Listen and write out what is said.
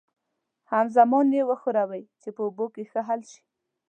همزمان یې وښورئ چې په اوبو کې ښه حل شي.